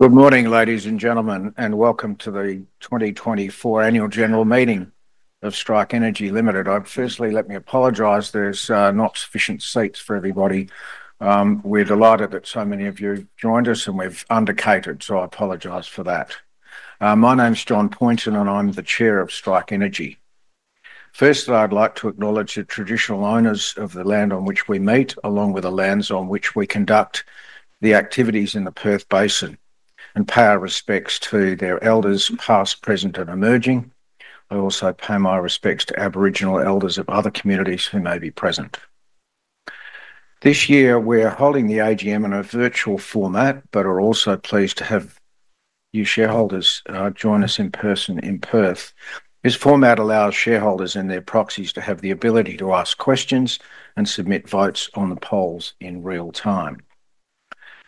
Good morning, ladies and gentlemen, and welcome to the 2024 Annual General Meeting of Strike Energy Limited. Firstly, let me apologize. There's not sufficient seats for everybody. We're delighted that so many of you joined us, and we've undercatered, so I apologize for that. My name's John Poynton, and I'm the Chair of Strike Energy. First, I'd like to acknowledge the traditional owners of the land on which we meet, along with the lands on which we conduct the activities in the Perth Basin, and pay our respects to their elders, past, present, and emerging. I also pay my respects to Aboriginal elders of other communities who may be present. This year, we're holding the AGM in a virtual format, but are also pleased to have you shareholders join us in person in Perth. This format allows shareholders and their proxies to have the ability to ask questions and submit votes on the polls in real time.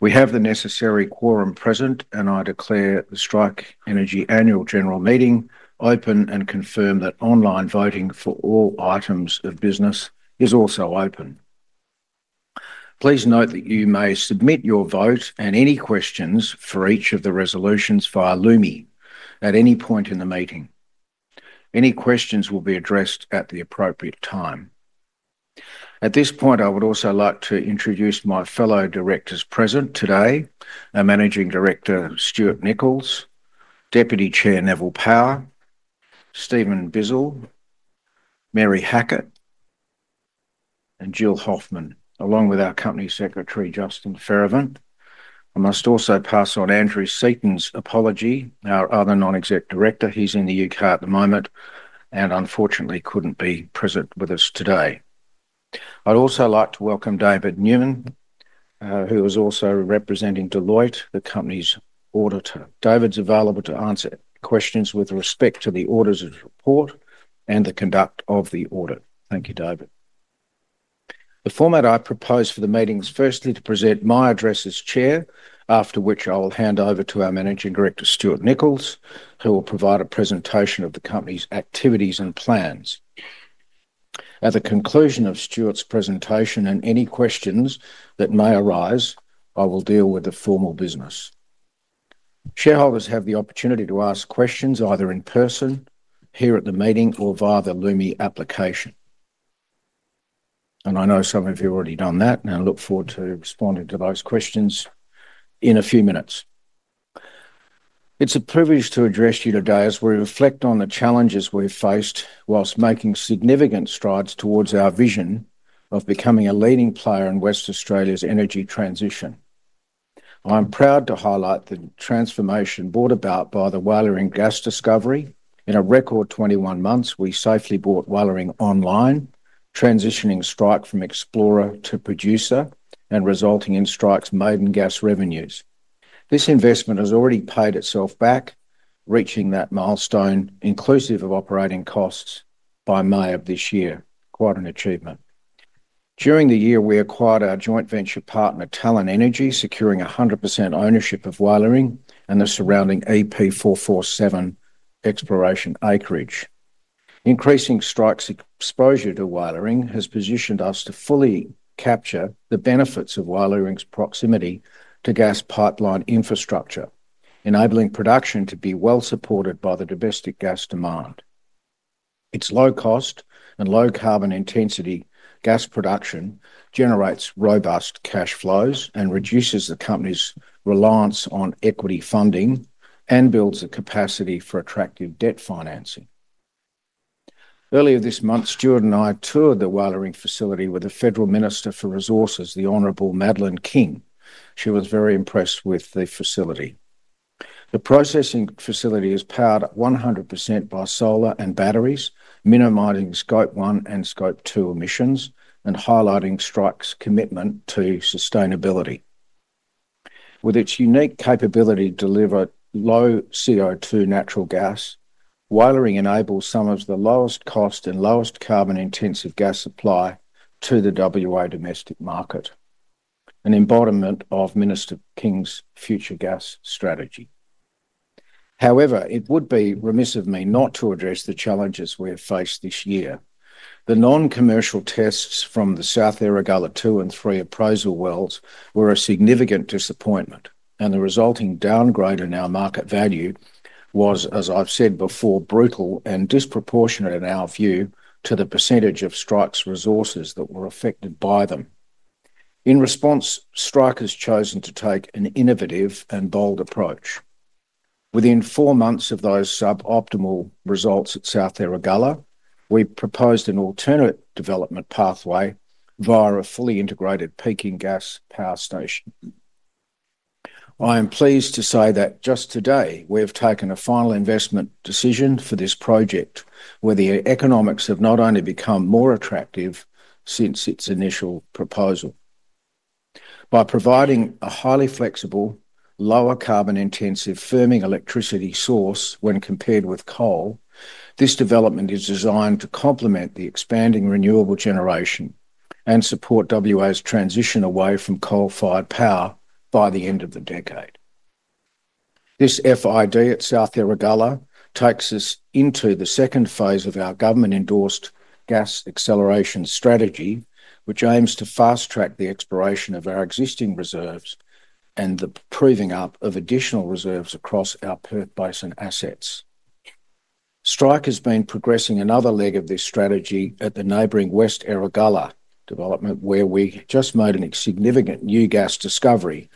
We have the necessary quorum present, and I declare the Strike Energy Annual General Meeting open and confirm that online voting for all items of business is also open. Please note that you may submit your vote and any questions for each of the resolutions via Lumi at any point in the meeting. Any questions will be addressed at the appropriate time. At this point, I would also like to introduce my fellow directors present today: Managing Director Stuart Nichols, Deputy Chair Neville Power, Stephen Bizzell, Mary Hackett, and Jill Hoffmann, along with our Company Secretary, Justin Ferravant. I must also pass on Andrew Seaton's apology, our other non-exec director. He's in the UK at the moment and unfortunately couldn't be present with us today. I'd also like to welcome David Newman, who is also representing Deloitte, the Company's auditor. David's available to answer questions with respect to the auditor's report and the conduct of the audit. Thank you, David. The format I propose for the meeting is firstly to present my address as Chair, after which I will hand over to our Managing Director, Stuart Nichols, who will provide a presentation of the Company's activities and plans. At the conclusion of Stuart's presentation and any questions that may arise, I will deal with the formal business. Shareholders have the opportunity to ask questions either in person here at the meeting or via the Lumi application. And I know some of you have already done that, and I look forward to responding to those questions in a few minutes. It's a privilege to address you today as we reflect on the challenges we've faced while making significant strides towards our vision of becoming a leading player in Western Australia's energy transition. I'm proud to highlight the transformation brought about by the Walyering gas discovery. In a record 21 months, we safely brought Walyering online, transitioning Strike from Explorer to Producer and resulting in Strike's maiden gas revenues. This investment has already paid itself back, reaching that milestone inclusive of operating costs by May of this year. Quite an achievement. During the year, we acquired our joint venture partner, Talon Energy, securing 100% ownership of Walyering and the surrounding EP447 exploration acreage. Increasing Strike's exposure to Walyering has positioned us to fully capture the benefits of Walyering's proximity to gas pipeline infrastructure, enabling production to be well supported by the domestic gas demand. Its low-cost and low-carbon intensity gas production generates robust cash flows and reduces the Company's reliance on equity funding and builds the capacity for attractive debt financing. Earlier this month, Stuart and I toured the Walyering facility with the Federal Minister for Resources, the Honourable Madeleine King. She was very impressed with the facility. The processing facility is powered 100% by solar and batteries, minimizing Scope 1 and Scope 2 emissions and highlighting Strike's commitment to sustainability. With its unique capability to deliver low CO2 natural gas, Walyering enables some of the lowest cost and lowest carbon-intensive gas supply to the WA domestic market, an embodiment of Minister King's Future Gas strategy. However, it would be remiss of me not to address the challenges we have faced this year. The non-commercial tests from the South Erregulla Two and Three appraisal wells were a significant disappointment, and the resulting downgrade in our market value was, as I've said before, brutal and disproportionate in our view to the percentage of Strike's resources that were affected by them. In response, Strike has chosen to take an innovative and bold approach. Within four months of those suboptimal results at South Erregulla, we proposed an alternate development pathway via a fully integrated peaking gas power station. I am pleased to say that just today we have taken a final investment decision for this project, where the economics have not only become more attractive since its initial proposal. By providing a highly flexible, lower carbon-intensive firming electricity source when compared with coal, this development is designed to complement the expanding renewable generation and support WA's transition away from coal-fired power by the end of the decade. This FID at South Erregulla takes us into the second phase of our government-endorsed gas acceleration strategy, which aims to fast-track the exploration of our existing reserves and the proving up of additional reserves across our Perth Basin assets. Strike has been progressing another leg of this strategy at the neighboring West Erregulla development, where we just made a significant new gas discovery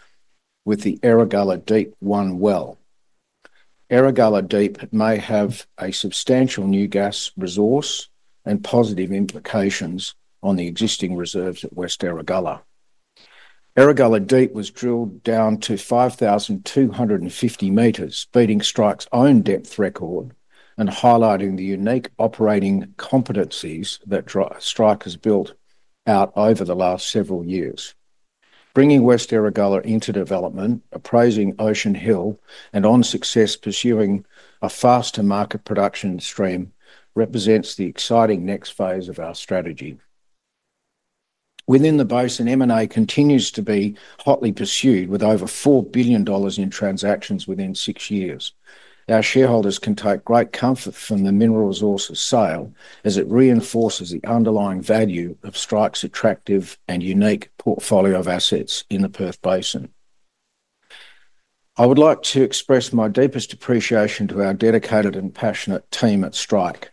with the Erregulla Deep-1 well. Erregulla Deep may have a substantial new gas resource and positive implications on the existing reserves at West Erregulla. Erregulla Deep was drilled down to 5,250 meters, beating Strike's own depth record and highlighting the unique operating competencies that Strike has built out over the last several years. Bringing West Erregulla into development, appraising Ocean Hill, and on success pursuing a faster market production stream represents the exciting next phase of our strategy. Within the basin, M&A continues to be hotly pursued with over 4 billion dollars in transactions within six years. Our shareholders can take great comfort from Mineral Resources' sale as it reinforces the underlying value of Strike's attractive and unique portfolio of assets in the Perth Basin. I would like to express my deepest appreciation to our dedicated and passionate team at Strike.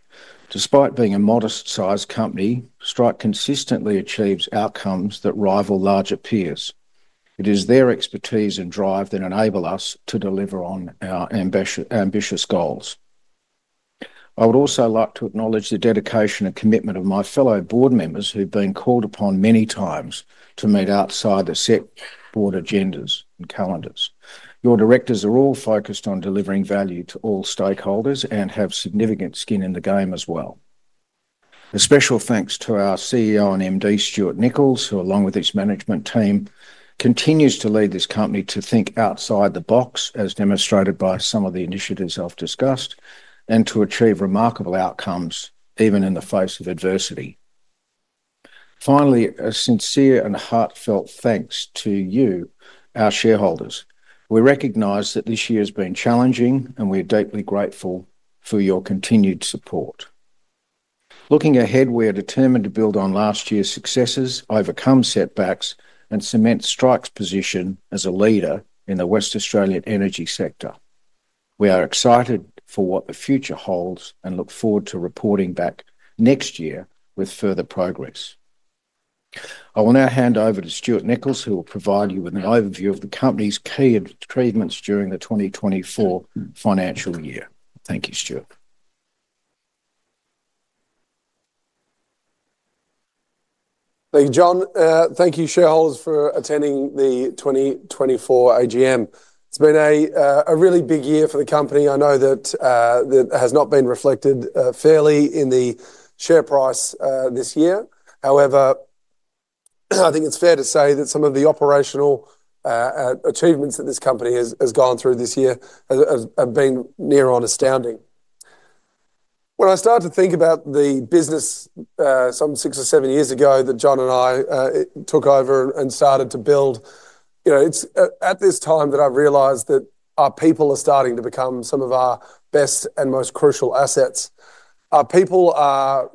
Despite being a modest-sized company, Strike consistently achieves outcomes that rival larger peers. It is their expertise and drive that enable us to deliver on our ambitious goals. I would also like to acknowledge the dedication and commitment of my fellow board members who've been called upon many times to meet outside the set board agendas and calendars. Your directors are all focused on delivering value to all stakeholders and have significant skin in the game as well. A special thanks to our CEO and MD, Stuart Nichols, who along with his management team continues to lead this company to think outside the box, as demonstrated by some of the initiatives I've discussed, and to achieve remarkable outcomes even in the face of adversity. Finally, a sincere and heartfelt thanks to you, our shareholders. We recognize that this year has been challenging, and we are deeply grateful for your continued support. Looking ahead, we are determined to build on last year's successes, overcome setbacks, and cement Strike's position as a leader in the West Australian energy sector. We are excited for what the future holds and look forward to reporting back next year with further progress. I will now hand over to Stuart Nichols, who will provide you with an overview of the Company's key achievements during the 2024 financial year. Thank you, Stuart. Thank you, John. Thank you, shareholders, for attending the 2024 AGM. It's been a really big year for the Company. I know that it has not been reflected fairly in the share price this year. However, I think it's fair to say that some of the operational achievements that this Company has gone through this year have been near on astounding. When I start to think about the business some six or seven years ago that John and I took over and started to build, you know, it's at this time that I've realized that our people are starting to become some of our best and most crucial assets. Our people are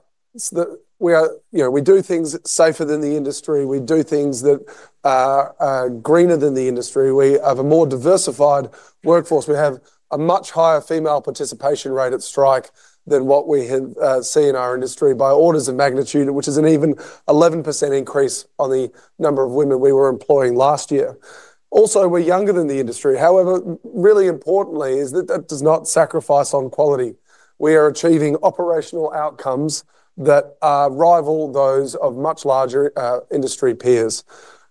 that we are, you know, we do things safer than the industry. We do things that are greener than the industry. We have a more diversified workforce. We have a much higher female participation rate at Strike than what we have seen in our industry by orders of magnitude, which is an even 11% increase on the number of women we were employing last year. Also, we're younger than the industry. However, really importantly, is that that does not sacrifice on quality. We are achieving operational outcomes that rival those of much larger industry peers.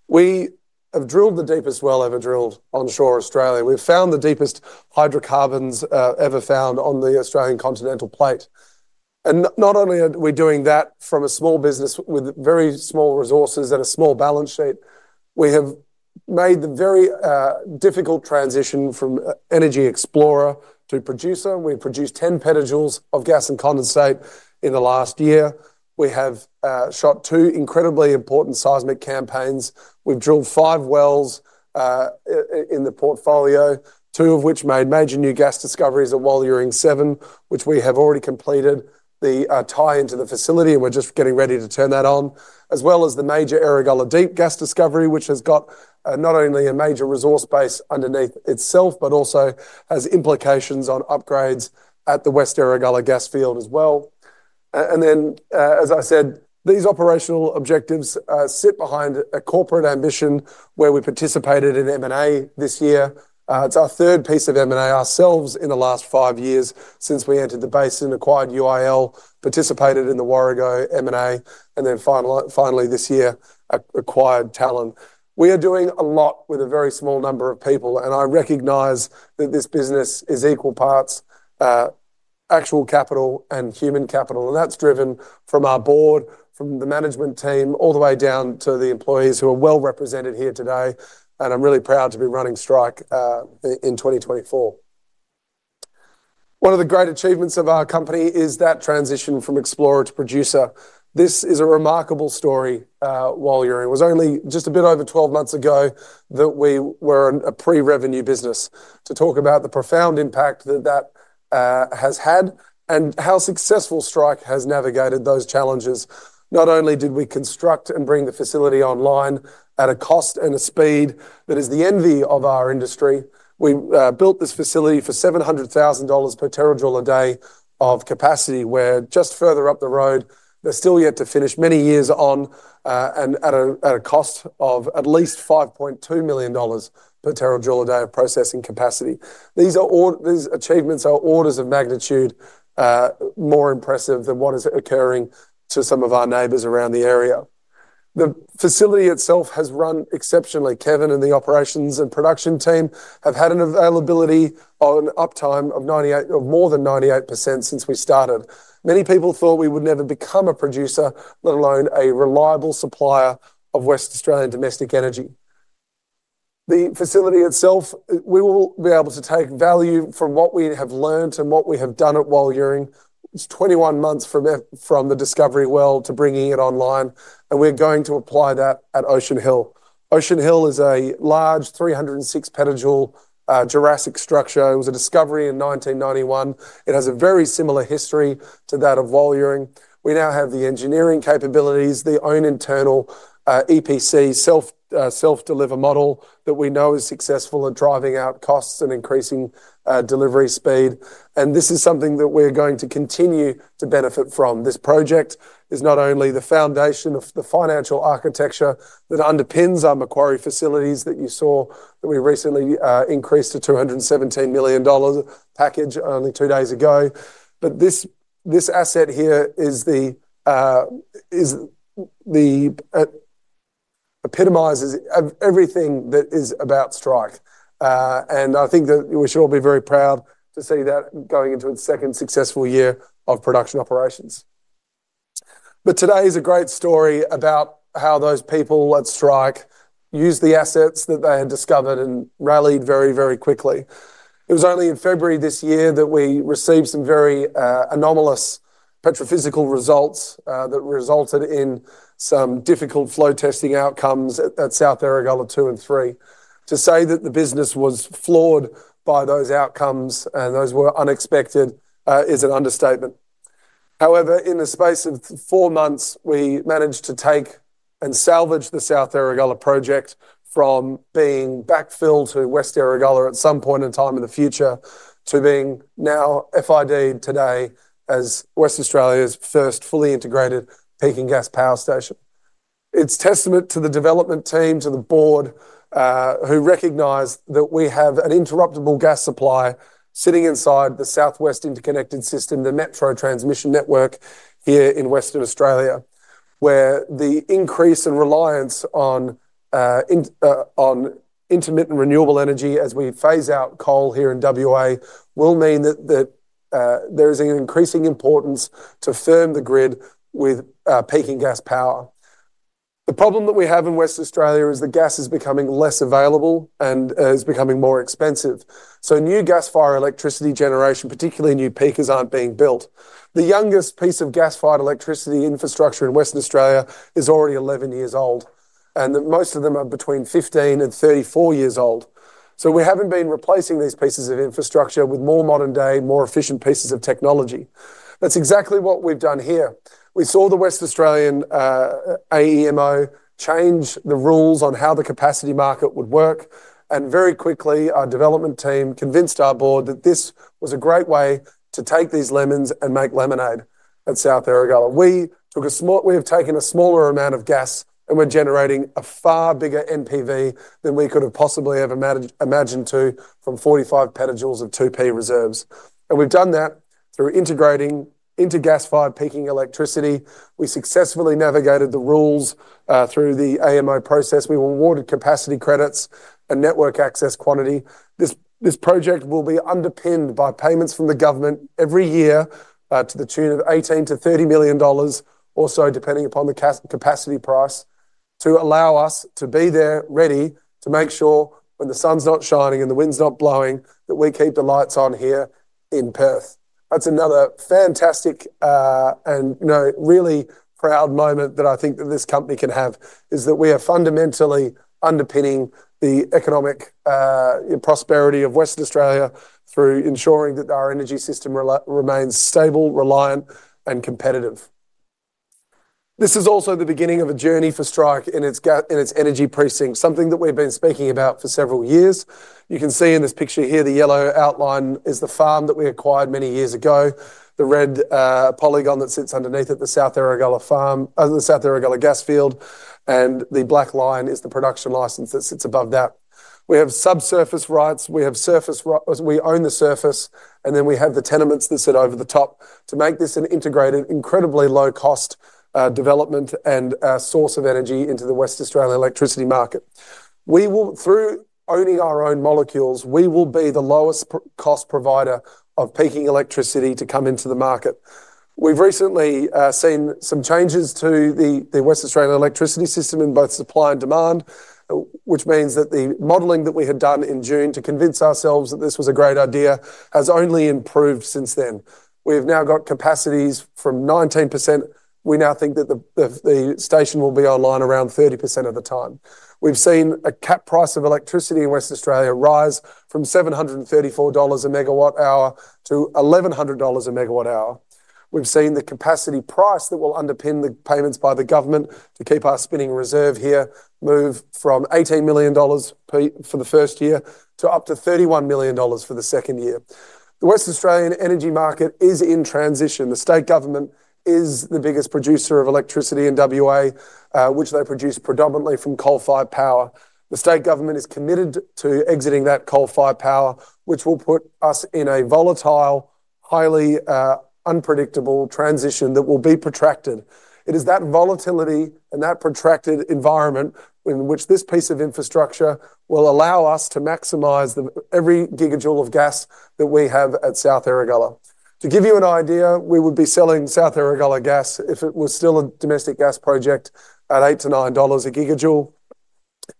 We have drilled the deepest well ever drilled onshore Australia. We've found the deepest hydrocarbons ever found on the Australian continental plate. And not only are we doing that from a small business with very small resources and a small balance sheet, we have made the very difficult transition from energy explorer to producer. We've produced 10 petajoules of gas and condensate in the last year. We have shot two incredibly important seismic campaigns. We've drilled five wells in the portfolio, two of which made major new gas discoveries at Walyering-7, which we have already completed the tie-in to the facility, and we're just getting ready to turn that on, as well as the major Erregulla Deep-1 gas discovery, which has got not only a major resource base underneath itself, but also has implications on upgrades at the West Erregulla gas field as well. Then, as I said, these operational objectives sit behind a corporate ambition where we participated in M&A this year. It's our third piece of M&A ourselves in the last five years since we entered the basin, acquired UIL, participated in the Warrego M&A, and then finally this year acquired Talon. We are doing a lot with a very small number of people, and I recognize that this business is equal parts actual capital and human capital, and that's driven from our board, from the management team, all the way down to the employees who are well represented here today. And I'm really proud to be running Strike in 2024. One of the great achievements of our Company is that transition from explorer to producer. This is a remarkable story. Walyering was only just a bit over 12 months ago that we were in a pre-revenue business. To talk about the profound impact that that has had and how successful Strike has navigated those challenges, not only did we construct and bring the facility online at a cost and a speed that is the envy of our industry, we built this facility for 700,000 dollars per terajoule a day of capacity, where just further up the road, they're still yet to finish many years on and at a cost of at least 5.2 million dollars per terajoule a day of processing capacity. These achievements are orders of magnitude more impressive than what is occurring to some of our neighbors around the area. The facility itself has run exceptionally. Kevin and the operations and production team have had an availability on uptime of more than 98% since we started. Many people thought we would never become a producer, let alone a reliable supplier of Western Australian domestic energy. The facility itself, we will be able to take value from what we have learned and what we have done at Walyering. It's 21 months from the discovery well to bringing it online, and we're going to apply that at Ocean Hill. Ocean Hill is a large 306-petajoule Jurassic structure. It was a discovery in 1991. It has a very similar history to that of Walyering. We now have the engineering capabilities, our own internal EPC self-deliver model that we know is successful at driving out costs and increasing delivery speed, and this is something that we're going to continue to benefit from. This project is not only the foundation of the financial architecture that underpins our Macquarie facilities that you saw that we recently increased to 217 million dollars package only two days ago, but this asset here epitomizes everything that is about Strike. I think that we should all be very proud to see that going into its second successful year of production operations. Today is a great story about how those people at Strike used the assets that they had discovered and rallied very, very quickly. It was only in February this year that we received some very anomalous petrophysical results that resulted in some difficult flow testing outcomes at South Erregulla Two and Three. To say that the business was flawed by those outcomes and those were unexpected is an understatement. However, in the space of four months, we managed to take and salvage the South Erregulla project from being backfilled to West Erregulla at some point in time in the future to being now FID'd today as West Australia's first fully integrated peaking gas power station. It's testament to the development team, to the board, who recognize that we have an interruptible gas supply sitting inside the South West Interconnected System, the Metro Transmission Network here in Western Australia, where the increase in reliance on intermittent renewable energy as we phase out coal here in WA will mean that there is an increasing importance to firm the grid with peaking gas power. The problem that we have in Western Australia is the gas is becoming less available and is becoming more expensive. So new gas-fired electricity generation, particularly new peakers, aren't being built. The youngest piece of gas-fired electricity infrastructure in Western Australia is already 11 years old, and most of them are between 15 and 34 years old. So we haven't been replacing these pieces of infrastructure with more modern-day, more efficient pieces of technology. That's exactly what we've done here. We saw the Western Australian AEMO change the rules on how the capacity market would work, and very quickly our development team convinced our board that this was a great way to take these lemons and make lemonade at South Erregulla. We have taken a smaller amount of gas, and we're generating a far bigger NPV than we could have possibly ever imagined from 45 petajoules of 2P reserves. We've done that through integrating into gas-fired peaking electricity. We successfully navigated the rules through the AEMO process. We were awarded capacity credits and network access quantity. This project will be underpinned by payments from the government every year to the tune of $18-$30 million or so, depending upon the capacity price, to allow us to be there ready to make sure when the sun's not shining and the wind's not blowing, that we keep the lights on here in Perth. That's another fantastic and really proud moment that I think that this Company can have is that we are fundamentally underpinning the economic prosperity of Western Australia through ensuring that our energy system remains stable, reliant, and competitive. This is also the beginning of a journey for Strike in its energy precinct, something that we've been speaking about for several years. You can see in this picture here, the yellow outline is the farm that we acquired many years ago, the red polygon that sits underneath it, the South Erregulla farm, the South Erregulla gas field, and the black line is the production license that sits above that. We have subsurface rights. We have surface, we own the surface, and then we have the tenements that sit over the top to make this an integrated, incredibly low-cost development and source of energy into the West Australian electricity market. Through owning our own molecules, we will be the lowest-cost provider of peaking electricity to come into the market. We've recently seen some changes to the West Australian electricity system in both supply and demand, which means that the modeling that we had done in June to convince ourselves that this was a great idea has only improved since then. We have now got capacities from 19%. We now think that the station will be online around 30% of the time. We've seen a cap price of electricity in Western Australia rise from 734 dollars a megawatt hour to 1,100 dollars a megawatt hour. We've seen the capacity price that will underpin the payments by the government to keep our spinning reserve here move from 18 million dollars for the first year to up to 31 million dollars for the second year. The Western Australian energy market is in transition. The state government is the biggest producer of electricity in WA, which they produce predominantly from coal-fired power. The state government is committed to exiting that coal-fired power, which will put us in a volatile, highly unpredictable transition that will be protracted. It is that volatility and that protracted environment in which this piece of infrastructure will allow us to maximize every gigajoule of gas that we have at South Erregulla. To give you an idea, we would be selling South Erregulla gas if it was still a domestic gas project at 8-9 dollars a gigajoule.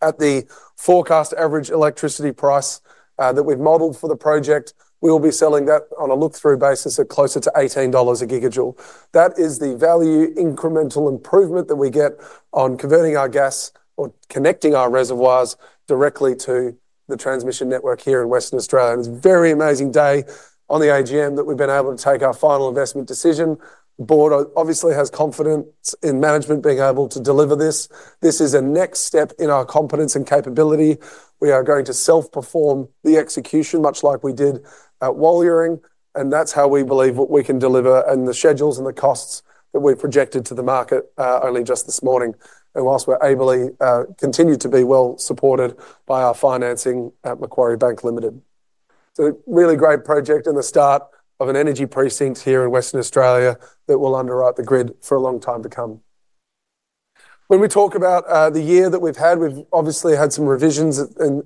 At the forecast average electricity price that we've modeled for the project, we will be selling that on a look-through basis at closer to 18 dollars a gigajoule. That is the value incremental improvement that we get on converting our gas or connecting our reservoirs directly to the transmission network here in Western Australia. And it's a very amazing day on the AGM that we've been able to take our final investment decision. The board obviously has confidence in management being able to deliver this. This is a next step in our competence and capability. We are going to self-perform the execution, much like we did at Walyering, and that's how we believe what we can deliver and the schedules and the costs that we've projected to the market only just this morning. While we're able to continue to be well supported by our financing at Macquarie Bank Limited, it's a really great project and the start of an energy precinct here in Western Australia that will underwrite the grid for a long time to come. When we talk about the year that we've had, we've obviously had some revisions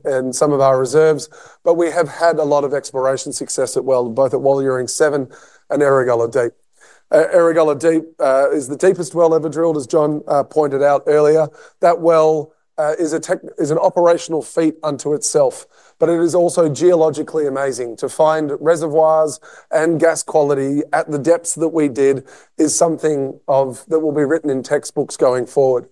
in some of our reserves, but we have had a lot of exploration success as well, both at Walyering-7 and Erregulla Deep. Erregulla Deep is the deepest well ever drilled, as John pointed out earlier. That well is an operational feat unto itself, but it is also geologically amazing. To find reservoirs and gas quality at the depths that we did is something that will be written in textbooks going forward.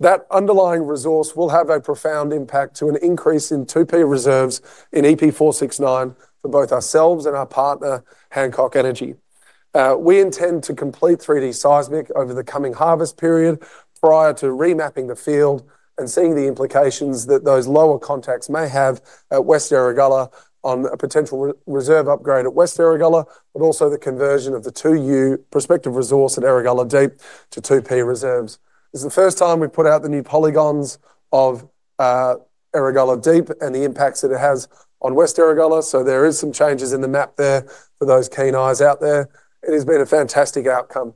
That underlying resource will have a profound impact to an increase in 2P reserves in EP469 for both ourselves and our partner, Hancock Energy. We intend to complete 3D seismic over the coming harvest period prior to remapping the field and seeing the implications that those lower contacts may have at West Erregulla on a potential reserve upgrade at West Erregulla, but also the conversion of the 2U prospective resource at Erregulla Deep to 2P reserves. This is the first time we put out the new polygons of Erregulla Deep and the impacts that it has on West Erregulla. So there are some changes in the map there for those keen eyes out there. It has been a fantastic outcome.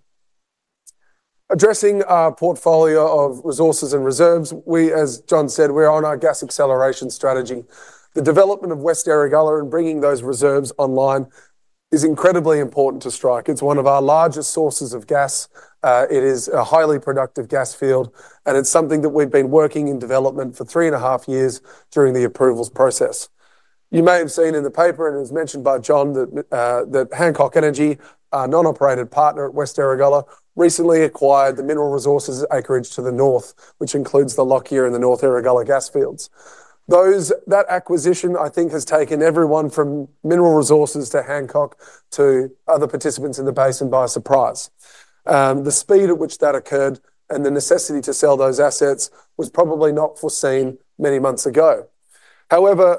Addressing our portfolio of resources and reserves, we, as John said, we're on our gas acceleration strategy. The development of West Erregulla and bringing those reserves online is incredibly important to Strike. It's one of our largest sources of gas. It is a highly productive gas field, and it's something that we've been working in development for three and a half years during the approvals process. You may have seen in the paper, and it was mentioned by John, that Hancock Energy, our non-operated partner at West Erregulla, recently acquired the Mineral Resources acreage to the north, which includes the block here in the North Erregulla gas fields. That acquisition, I think, has taken everyone from Mineral Resources to Hancock to other participants in the basin by surprise. The speed at which that occurred and the necessity to sell those assets was probably not foreseen many months ago. However,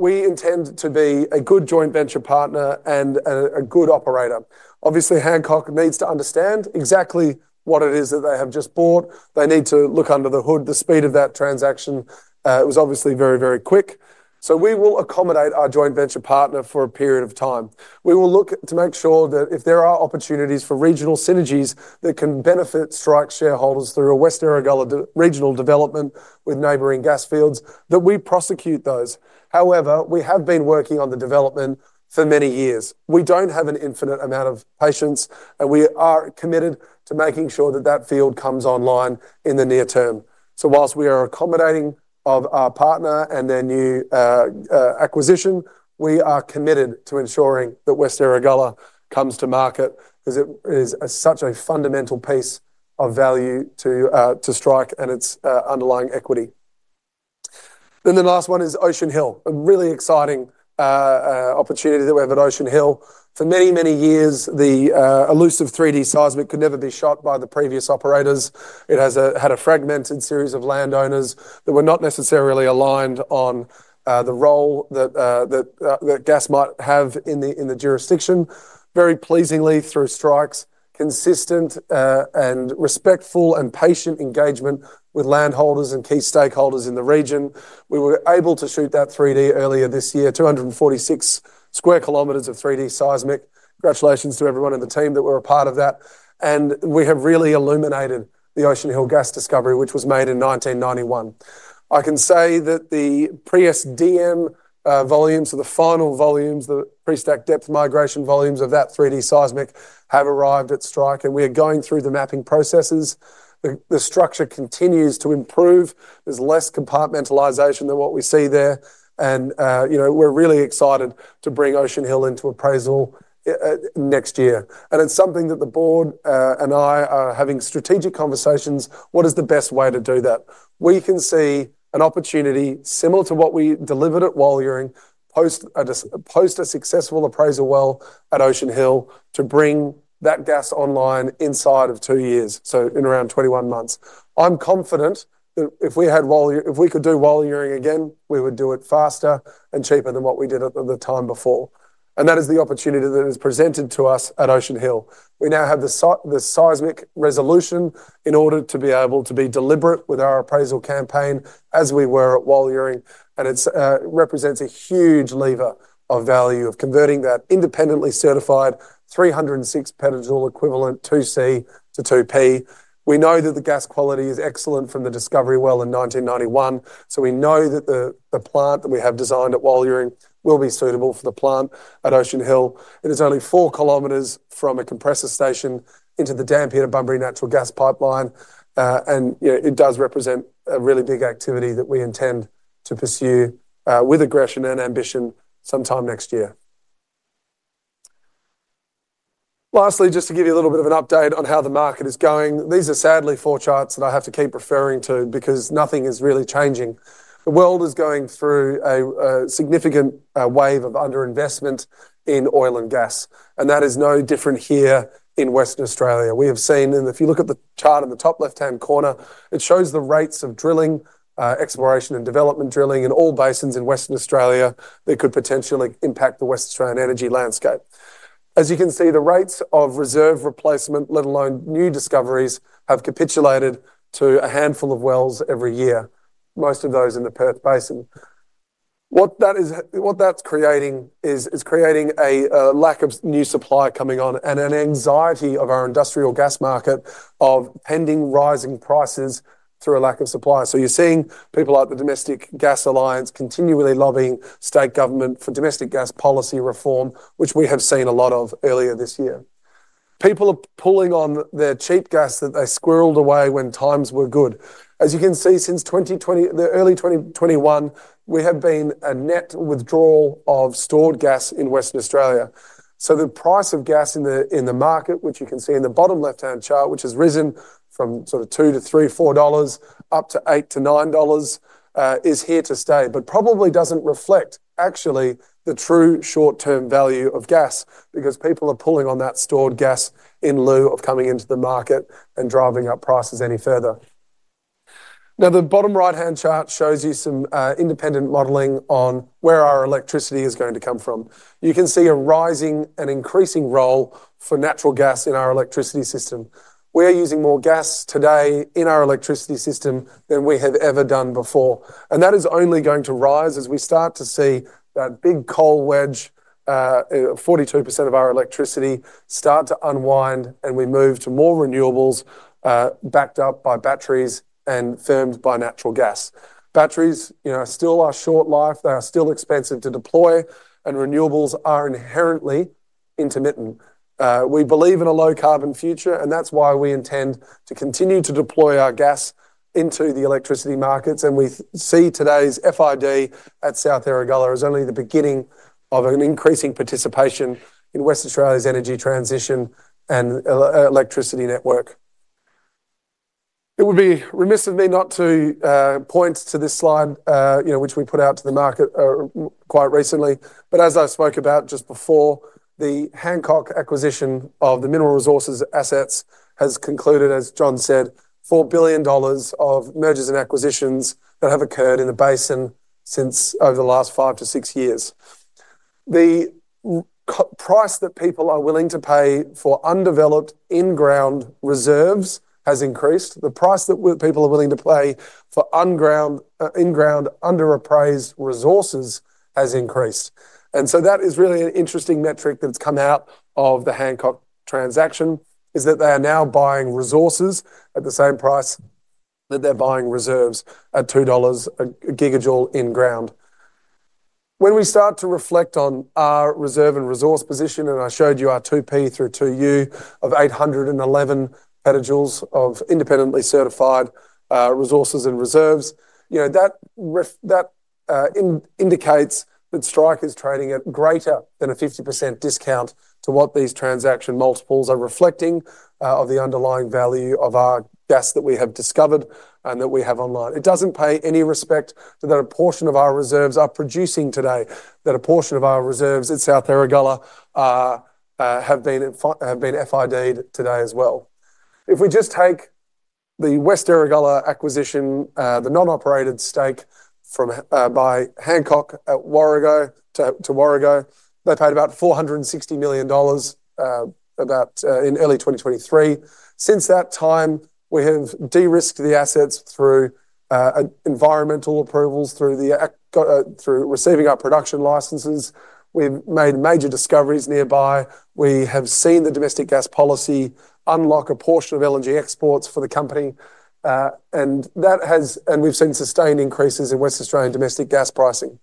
we intend to be a good joint venture partner and a good operator. Obviously, Hancock needs to understand exactly what it is that they have just bought. They need to look under the hood. The speed of that transaction. It was obviously very, very quick. So we will accommodate our joint venture partner for a period of time. We will look to make sure that if there are opportunities for regional synergies that can benefit Strike shareholders through a West Erregulla regional development with neighboring gas fields, that we prosecute those. However, we have been working on the development for many years. We don't have an infinite amount of patience, and we are committed to making sure that that field comes online in the near term. So while we are accommodating of our partner and their new acquisition, we are committed to ensuring that West Erregulla comes to market because it is such a fundamental piece of value to Strike and its underlying equity. Then the last one is Ocean Hill, a really exciting opportunity that we have at Ocean Hill. For many, many years, the elusive 3D seismic could never be shot by the previous operators. It has had a fragmented series of landowners that were not necessarily aligned on the role that gas might have in the jurisdiction. Very pleasingly, through Strike's consistent and respectful and patient engagement with landholders and key stakeholders in the region, we were able to shoot that 3D earlier this year, 246 sq km of 3D seismic. Congratulations to everyone and the team that were a part of that. We have really illuminated the Ocean Hill gas discovery, which was made in 1991. I can say that the pre-SDM volumes, the final volumes, the pre-stack depth migration volumes of that 3D seismic have arrived at Strike, and we are going through the mapping processes. The structure continues to improve. There's less compartmentalization than what we see there. We're really excited to bring Ocean Hill into appraisal next year. It's something that the board and I are having strategic conversations. What is the best way to do that? We can see an opportunity similar to what we delivered at Walyering post a successful appraisal well at Ocean Hill to bring that gas online inside of two years, so in around 21 months. I'm confident that if we had, if we could do Walyering again, we would do it faster and cheaper than what we did at the time before. And that is the opportunity that is presented to us at Ocean Hill. We now have the seismic resolution in order to be able to be deliberate with our appraisal campaign as we were at Walyering, and it represents a huge lever of value of converting that independently certified 306 petajoule equivalent 2C to 2P. We know that the gas quality is excellent from the discovery well in 1991, so we know that the plant that we have designed at Walyering will be suitable for the plant at Ocean Hill. It is only four kilometers from a compressor station into the Dampier to Bunbury Natural Gas Pipeline, and it does represent a really big activity that we intend to pursue with aggression and ambition sometime next year. Lastly, just to give you a little bit of an update on how the market is going, these are sadly four charts that I have to keep referring to because nothing is really changing. The world is going through a significant wave of underinvestment in oil and gas, and that is no different here in Western Australia. We have seen, and if you look at the chart in the top left-hand corner, it shows the rates of drilling, exploration, and development drilling in all basins in Western Australia that could potentially impact the Western Australian energy landscape. As you can see, the rates of reserve replacement, let alone new discoveries, have capitulated to a handful of wells every year, most of those in the Perth Basin. What that's creating is a lack of new supply coming on and an anxiety of our industrial gas market of pending rising prices through a lack of supply. So you're seeing people at the Domestic Gas Alliance continually lobbying state government for domestic gas policy reform, which we have seen a lot of earlier this year. People are pulling on their cheap gas that they squirreled away when times were good. As you can see, since early 2021, we have been a net withdrawal of stored gas in Western Australia. So the price of gas in the market, which you can see in the bottom left-hand chart, which has risen from sort of 2 to 3, 4 dollars up to 8 to 9 dollars, is here to stay, but probably doesn't reflect actually the true short-term value of gas because people are pulling on that stored gas in lieu of coming into the market and driving up prices any further. Now, the bottom right-hand chart shows you some independent modeling on where our electricity is going to come from. You can see a rising and increasing role for natural gas in our electricity system. We are using more gas today in our electricity system than we have ever done before. And that is only going to rise as we start to see that big coal wedge, 42% of our electricity start to unwind, and we move to more renewables backed up by batteries and firmed by natural gas. Batteries still are short life. They are still expensive to deploy, and renewables are inherently intermittent. We believe in a low-carbon future, and that's why we intend to continue to deploy our gas into the electricity markets. And we see today's FID at South Erregulla is only the beginning of an increasing participation in Western Australia's energy transition and electricity network. It would be remiss of me not to point to this slide, which we put out to the market quite recently. But as I spoke about just before, the Hancock Energy acquisition of the Mineral Resources assets has concluded, as John said, 4 billion dollars of mergers and acquisitions that have occurred in the basin since over the last five to six years. The price that people are willing to pay for undeveloped in-ground reserves has increased. The price that people are willing to pay for in-ground underappraised resources has increased. And so that is really an interesting metric that's come out of the Hancock Energy transaction, is that they are now buying resources at the same price that they're buying reserves at 2 dollars a gigajoule in-ground. When we start to reflect on our reserve and resource position, and I showed you our 2P through 2U of 811 petajoules of independently certified resources and reserves, that indicates that Strike is trading at greater than a 50% discount to what these transaction multiples are reflecting of the underlying value of our gas that we have discovered and that we have online. It doesn't pay any respect to that a portion of our reserves are producing today, that a portion of our reserves at South Erregulla have been FID'd today as well. If we just take the West Erregulla acquisition, the non-operated stake by Hancock to Warrego, they paid about 460 million dollars in early 2023. Since that time, we have de-risked the assets through environmental approvals, through receiving our production licenses. We've made major discoveries nearby. We have seen the domestic gas policy unlock a portion of LNG exports for the company, and we've seen sustained increases in West Australian domestic gas pricing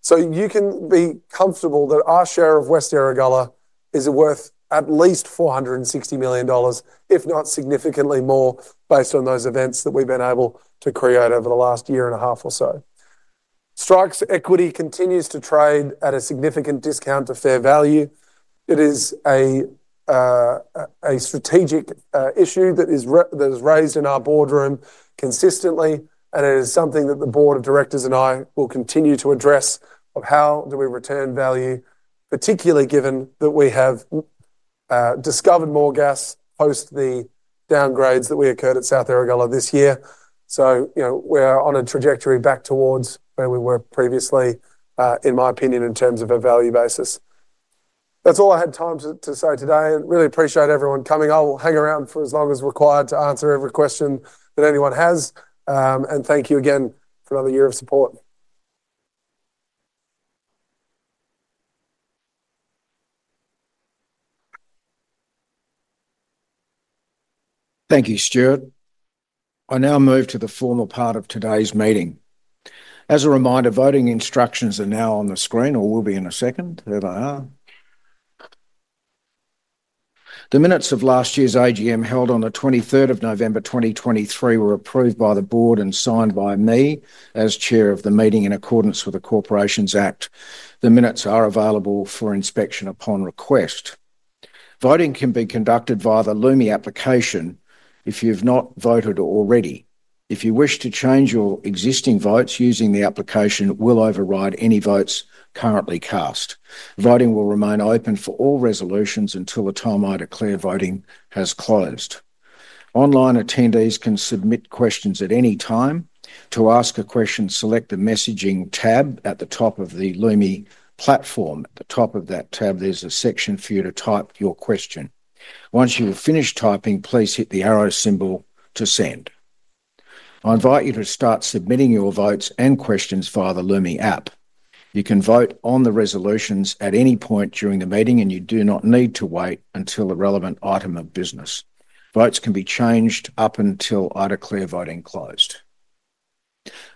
so you can be comfortable that our share of West Erregulla is worth at least 460 million dollars, if not significantly more, based on those events that we've been able to create over the last year and a half or so. Strike's equity continues to trade at a significant discount to fair value. It is a strategic issue that is raised in our boardroom consistently, and it is something that the board of directors and I will continue to address of how do we return value, particularly given that we have discovered more gas post the downgrades that occurred at South Erregulla this year. So we're on a trajectory back towards where we were previously, in my opinion, in terms of a value basis. That's all I had time to say today. Really appreciate everyone coming. I'll hang around for as long as required to answer every question that anyone has. And thank you again for another year of support. Thank you, Stuart. I now move to the formal part of today's meeting. As a reminder, voting instructions are now on the screen or will be in a second. There they are. The minutes of last year's AGM held on the 23rd of November 2023 were approved by the board and signed by me as chair of the meeting in accordance with the Corporations Act. The minutes are available for inspection upon request. Voting can be conducted via the Lumi application if you've not voted already. If you wish to change your existing votes using the application, it will override any votes currently cast. Voting will remain open for all resolutions until a time either clear voting has closed. Online attendees can submit questions at any time. To ask a question, select the messaging tab at the top of the Lumi platform. At the top of that tab, there's a section for you to type your question. Once you've finished typing, please hit the arrow symbol to send. I invite you to start submitting your votes and questions via the Lumi app. You can vote on the resolutions at any point during the meeting, and you do not need to wait until a relevant item of business. Votes can be changed up until either clear voting closed.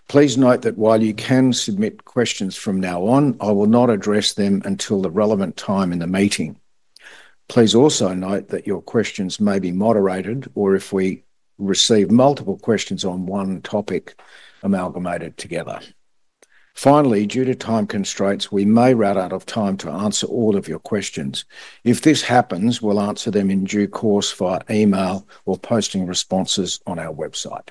Please note that while you can submit questions from now on, I will not address them until the relevant time in the meeting. Please also note that your questions may be moderated or if we receive multiple questions on one topic, amalgamated together. Finally, due to time constraints, we may run out of time to answer all of your questions. If this happens, we'll answer them in due course via email or posting responses on our website.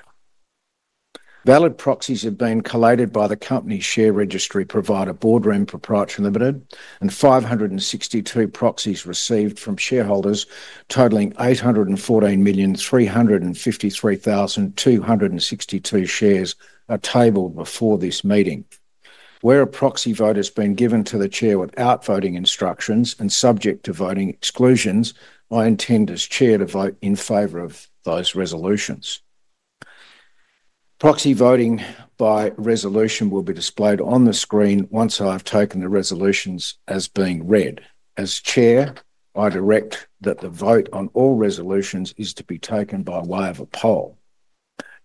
Valid proxies have been collated by the company share registry provider, Boardroom Pty Limited, and 562 proxies received from shareholders totaling 814,353,262 shares are tabled before this meeting. Where a proxy vote has been given to the chair without voting instructions and subject to voting exclusions, I intend as chair to vote in favor of those resolutions. Proxy voting by resolution will be displayed on the screen once I have taken the resolutions as being read. As Chair, I direct that the vote on all resolutions is to be taken by way of a poll.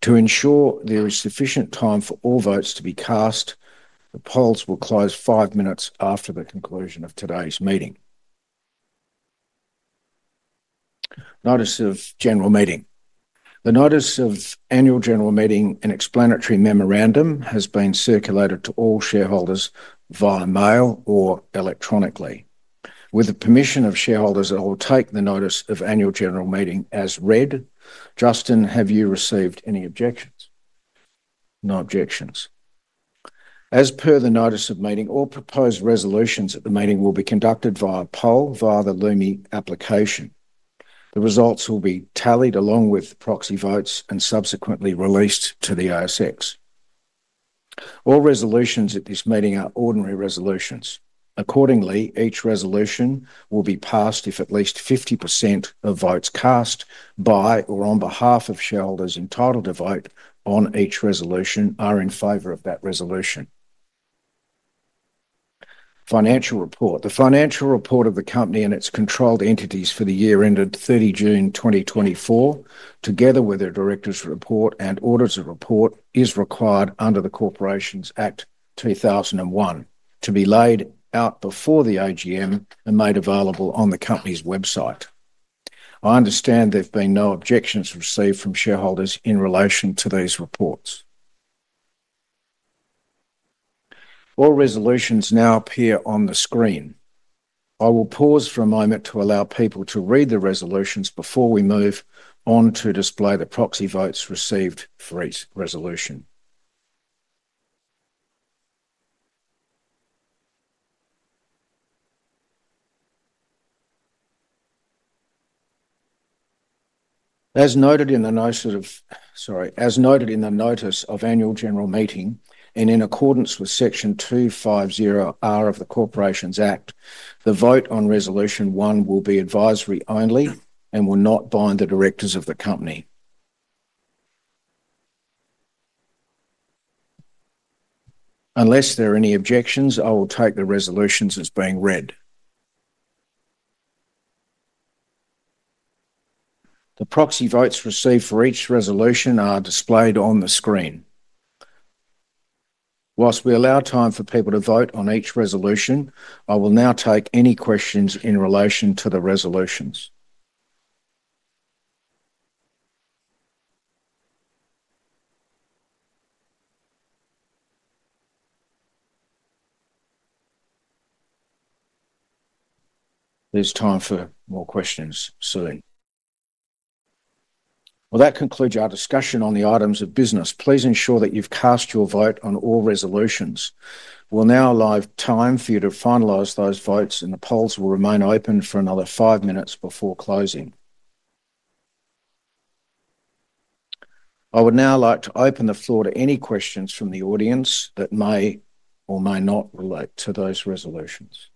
To ensure there is sufficient time for all votes to be cast, the polls will close five minutes after the conclusion of today's meeting. Notice of General Meeting. The notice of annual general meeting and explanatory memorandum has been circulated to all shareholders via mail or electronically. With the permission of shareholders, I will take the notice of annual general meeting as read. Justin, have you received any objections? No objections. As per the notice of meeting, all proposed resolutions at the meeting will be conducted via poll via the Lumi application. The results will be tallied along with proxy votes and subsequently released to the ASX. All resolutions at this meeting are ordinary resolutions. Accordingly, each resolution will be passed if at least 50% of votes cast by or on behalf of shareholders entitled to vote on each resolution are in favor of that resolution. Financial report. The financial report of the company and its controlled entities for the year ended 30 June 2024, together with their director's report and auditor's report, is required under the Corporations Act 2001 to be laid out before the AGM and made available on the company's website. I understand there have been no objections received from shareholders in relation to these reports. All resolutions now appear on the screen. I will pause for a moment to allow people to read the resolutions before we move on to display the proxy votes received for each resolution. As noted in the notice of, sorry, as noted in the notice of annual general meeting, and in accordance with Section 250R of the Corporations Act, the vote on resolution one will be advisory only and will not bind the directors of the company. Unless there are any objections, I will take the resolutions as being read. The proxy votes received for each resolution are displayed on the screen. While we allow time for people to vote on each resolution, I will now take any questions in relation to the resolutions. There's time for more questions, Susan. Well, that concludes our discussion on the items of business. Please ensure that you've cast your vote on all resolutions. We'll now allow time for you to finalize those votes, and the polls will remain open for another five minutes before closing. I would now like to open the floor to any questions from the audience that may or may not relate to those resolutions.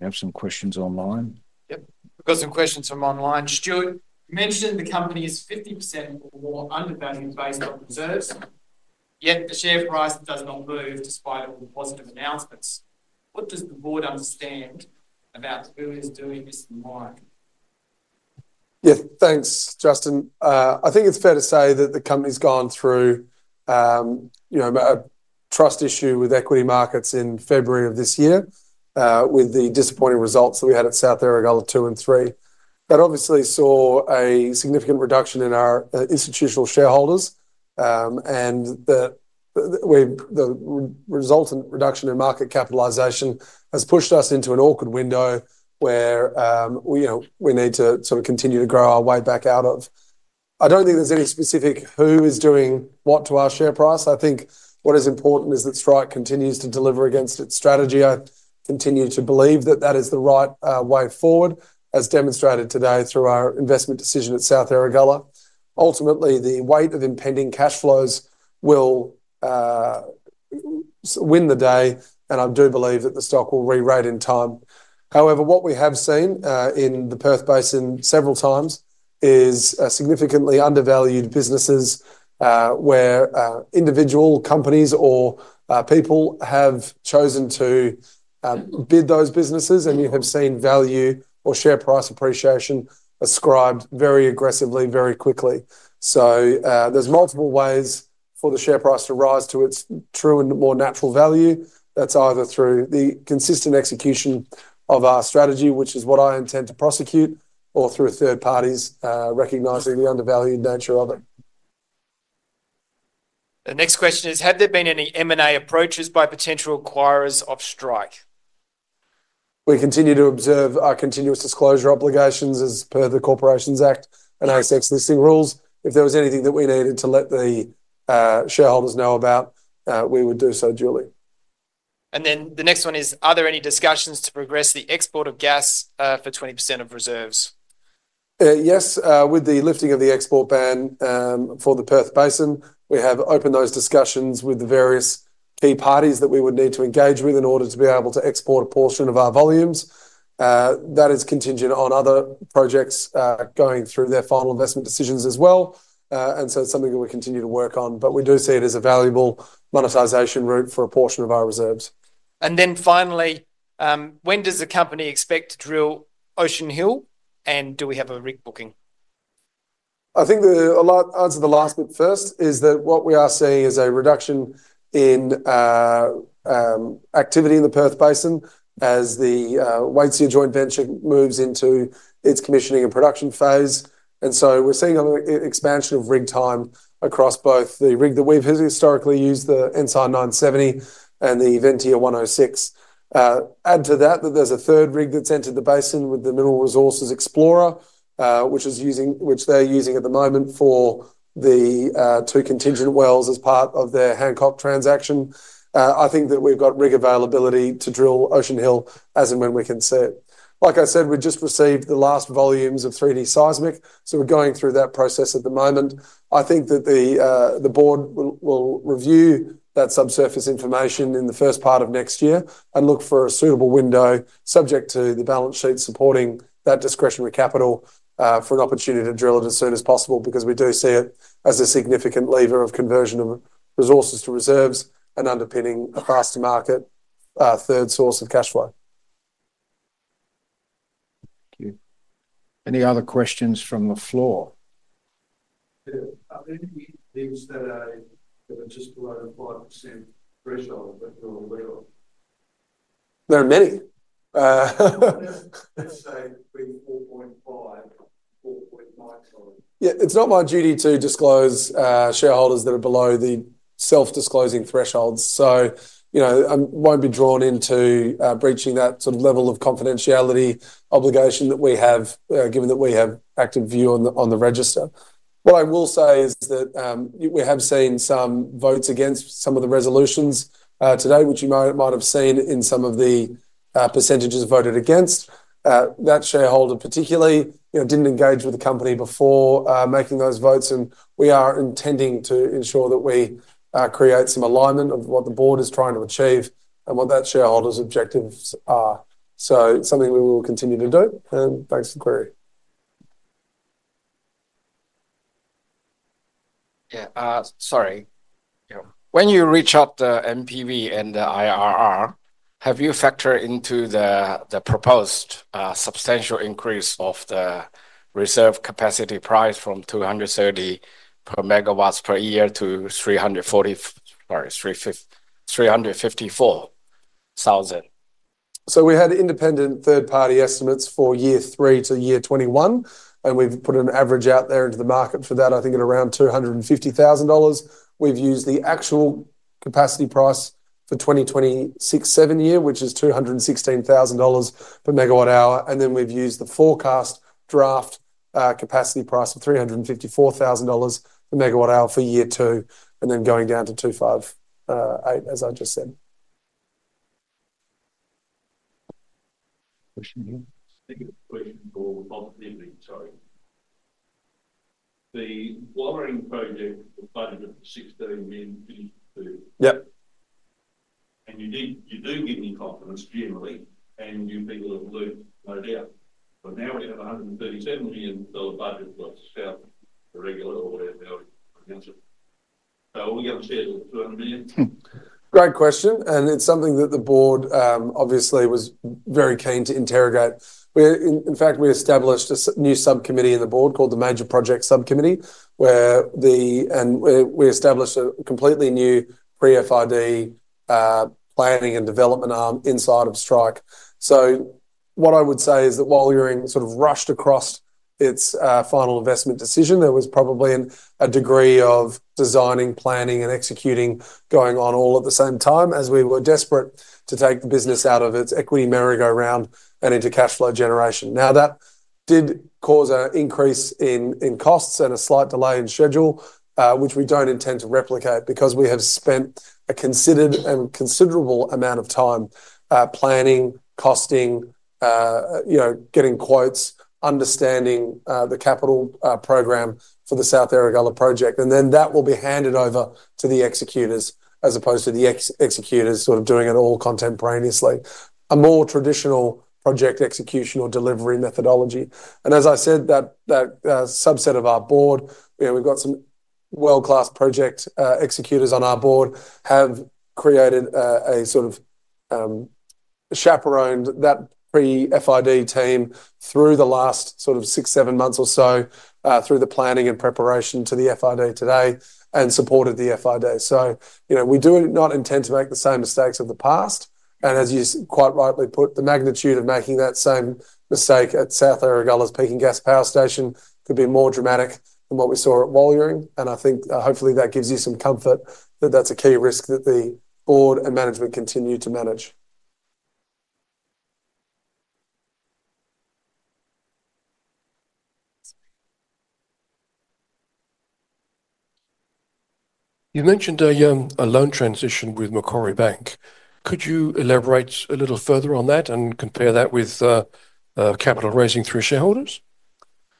We have some questions online. Yep. We've got some questions from online. Stuart, you mentioned the company is 50% or more undervalued based on reserves, yet the share price does not move despite all the positive announcements. What does the board understand about who is doing this and why? Yeah, thanks, Justin. I think it's fair to say that the company's gone through a trust issue with equity markets in February of this year with the disappointing results that we had at South Erregulla two and three. That obviously saw a significant reduction in our institutional shareholders, and the resultant reduction in market capitalization has pushed us into an awkward window where we need to sort of continue to grow our way back out of. I don't think there's any specific who is doing what to our share price. I think what is important is that Strike continues to deliver against its strategy. I continue to believe that that is the right way forward, as demonstrated today through our investment decision at South Erregulla. Ultimately, the weight of impending cash flows will win the day, and I do believe that the stock will re-rate in time. However, what we have seen in the Perth Basin several times is significantly undervalued businesses where individual companies or people have chosen to bid those businesses, and you have seen value or share price appreciation ascribed very aggressively, very quickly. So there's multiple ways for the share price to rise to its true and more natural value. That's either through the consistent execution of our strategy, which is what I intend to prosecute, or through third parties recognizing the undervalued nature of it. The next question is, have there been any M&A approaches by potential acquirers of Strike? We continue to observe our continuous disclosure obligations as per the Corporations Act and ASX listing rules. If there was anything that we needed to let the shareholders know about, we would do so duly. And then the next one is, are there any discussions to progress the export of gas for 20% of reserves? Yes. With the lifting of the export ban for the Perth Basin, we have opened those discussions with the various key parties that we would need to engage with in order to be able to export a portion of our volumes. That is contingent on other projects going through their final investment decisions as well, and so it's something that we continue to work on, but we do see it as a valuable monetization route for a portion of our reserves. And then finally, when does the company expect to drill Ocean Hill, and do we have a rig booking? I think the answer to the last bit first is that what we are seeing is a reduction in activity in the Perth Basin as the Waitsia Joint Venture moves into its commissioning and production phase, and so we're seeing an expansion of rig time across both the rig that we've historically used, the Ensign 970, and the Ventia 106. Add to that that there's a third rig that's entered the basin with the Mineral Resources Explorer, which they're using at the moment for the two contingent wells as part of their Hancock transaction. I think that we've got rig availability to drill Ocean Hill as and when we can see it. Like I said, we just received the last volumes of 3D seismic, so we're going through that process at the moment. I think that the board will review that subsurface information in the first part of next year and look for a suitable window subject to the balance sheet supporting that discretionary capital for an opportunity to drill it as soon as possible because we do see it as a significant lever of conversion of resources to reserves and underpinning a price-to-market third source of cash flow. Thank you. Any other questions from the floor? Are there any things that are just below the 5% threshold that you're aware of? There are many. Let's say between 4.5%-4.9%, sorry. Yeah, it's not my duty to disclose shareholders that are below the self-disclosing thresholds. So I won't be drawn into breaching that sort of level of confidentiality obligation that we have, given that we have active view on the register. What I will say is that we have seen some votes against some of the resolutions today, which you might have seen in some of the percentages voted against. That shareholder particularly didn't engage with the company before making those votes, and we are intending to ensure that we create some alignment of what the board is trying to achieve and what that shareholder's objectives are. So it's something we will continue to do, and thanks for the query. Yeah, sorry. When you reach out to NPV and the IRR, have you factored into the proposed substantial increase of the reserve capacity price from 230 per megawatt per year to 340, sorry, 354,000? So we had independent third-party estimates for year three to year 21, and we've put an average out there into the market for that, I think at around 250,000 dollars. We've used the actual capacity price for 2026/7 year, which is 216,000 dollars per megawatt hour, and then we've used the forecast draft capacity price of 354,000 dollars per megawatt hour for year two, and then going down to 258, as I just said. Question here. Negative question for positivity, sorry. The Walyering project budget for 16 million finished. Yep. And you do give me confidence, generally, and new people have learned, no doubt. But now we have 137 million budget for South Erregulla down. So are we going to share the 200 million? Great question, and it's something that the board obviously was very keen to interrogate. In fact, we established a new subcommittee in the board called the Major Project Subcommittee, and we established a completely new pre-FID planning and development arm inside of Strike. So what I would say is that while we were sort of rushed across its final investment decision, there was probably a degree of designing, planning, and executing going on all at the same time as we were desperate to take the business out of its equity merry-go-round and into cash flow generation. Now, that did cause an increase in costs and a slight delay in schedule, which we don't intend to replicate because we have spent a considerable amount of time planning, costing, getting quotes, understanding the capital program for the South Erregulla project, and then that will be handed over to the executors as opposed to the executors sort of doing it all contemporaneously. A more traditional project execution or delivery methodology. As I said, that subset of our board, we've got some world-class project executors on our board, have sort of chaperoned that pre-FID team through the last sort of six, seven months or so, through the planning and preparation to the FID today and supported the FID. So we do not intend to make the same mistakes of the past. As you quite rightly put, the magnitude of making that same mistake at South Erregulla's peaking gas power station could be more dramatic than what we saw at Walyering. I think hopefully that gives you some comfort that that's a key risk that the board and management continue to manage. You mentioned a loan transition with Macquarie Bank. Could you elaborate a little further on that and compare that with capital raising through shareholders?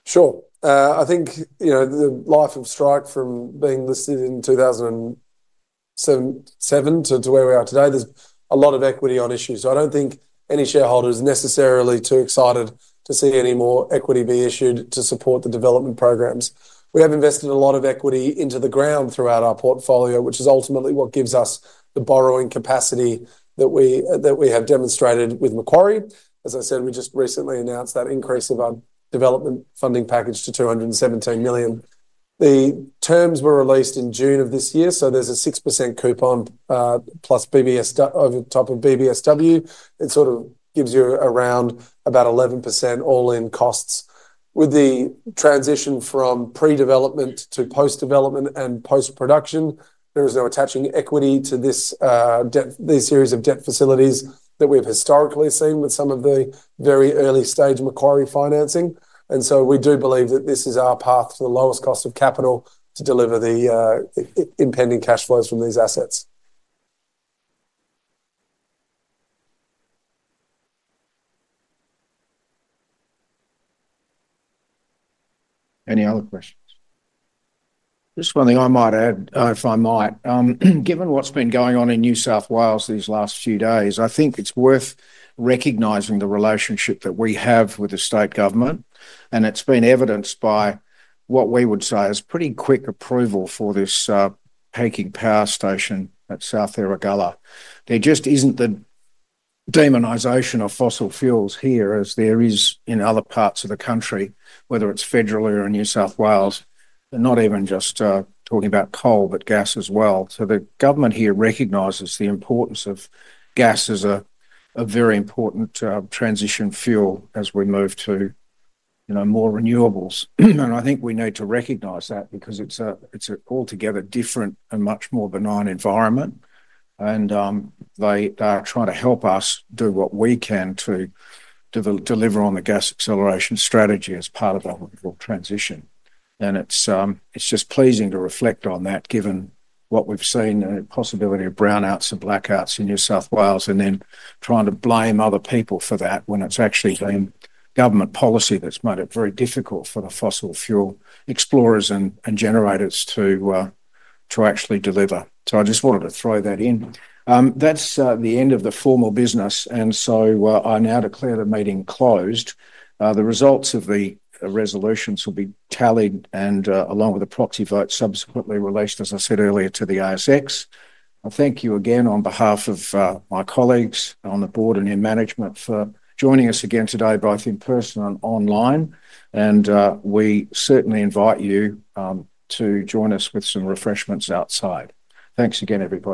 Sure. I think the life of Strike from being listed in 2007 to where we are today, there's a lot of equity issuances. I don't think any shareholder is necessarily too excited to see any more equity be issued to support the development programs. We have invested a lot of equity into the ground throughout our portfolio, which is ultimately what gives us the borrowing capacity that we have demonstrated with Macquarie. As I said, we just recently announced that increase of our development funding package to 217 million. The terms were released in June of this year, so there's a 6% coupon plus BBS over top of BBSW. It sort of gives you around about 11% all-in costs. With the transition from pre-development to post-development and post-production, there is no attaching equity to these series of debt facilities that we've historically seen with some of the very early-stage Macquarie financing. And so we do believe that this is our path to the lowest cost of capital to deliver the impending cash flows from these assets. Any other questions? Just one thing I might add, if I might. Given what's been going on in New South Wales these last few days, I think it's worth recognizing the relationship that we have with the state government, and it's been evidenced by what we would say is pretty quick approval for this peaking power station at South Erregulla. There just isn't the demonization of fossil fuels here as there is in other parts of the country, whether it's federally or in New South Wales. And not even just talking about coal, but gas as well. So the government here recognizes the importance of gas as a very important transition fuel as we move to more renewables. And I think we need to recognize that because it's an altogether different and much more benign environment, and they are trying to help us do what we can to deliver on the gas-to-power strategy as part of our transition.It's just pleasing to reflect on that given what we've seen, the possibility of brownouts and blackouts in New South Wales, and then trying to blame other people for that when it's actually been government policy that's made it very difficult for the fossil fuel explorers and generators to actually deliver. So I just wanted to throw that in. That's the end of the formal business, and so I now declare the meeting closed. The results of the resolutions will be tallied and, along with the proxy vote, subsequently released, as I said earlier, to the ASX. I thank you again on behalf of my colleagues on the board and in management for joining us again today, both in person and online, and we certainly invite you to join us with some refreshments outside. Thanks again, everybody.